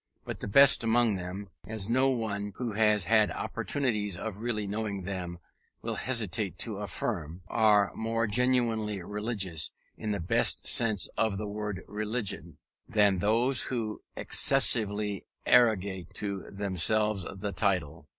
But the best among them, as no one who has had opportunities of really knowing them will hesitate to affirm, are more genuinely religious, in the best sense of the word religion, than those who exclusively arrogate to themselves the title.